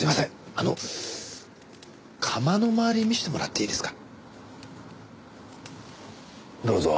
あの窯の中見せてもらっていいですか？